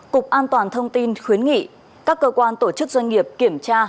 cục an toàn thông tin khuyến nghị các cơ quan tổ chức doanh nghiệp kiểm tra